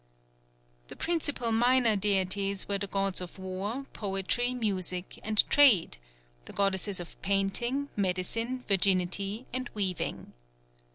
The principal minor deities were the gods of War, Poetry, Music, and Trade; the goddesses of Painting, Medicine, Virginity, and Weaving.